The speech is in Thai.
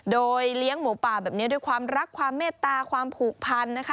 โดยเลี้ยงหมูป่าแบบนี้ด้วยความรักความเมตตาความผูกพันนะคะ